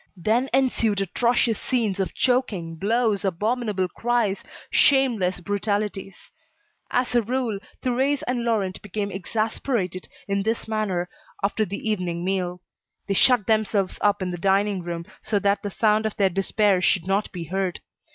Then ensued atrocious scenes of choking, blows, abominable cries, shameless brutalities. As a rule, Thérèse and Laurent became exasperated, in this manner, after the evening meal. They shut themselves up in the dining room, so that the sound of their despair should not be heard.